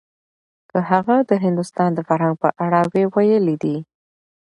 که هغه د هندوستان د فرهنګ په اړه وی ويلي دي.